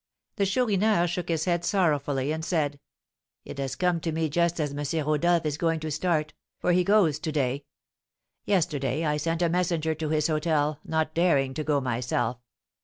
The Chourineur shook his head sorrowfully and said, "It has come to me just as M. Rodolph is going to start, for he goes to day. Yesterday I sent a messenger to his hôtel, not daring to go myself.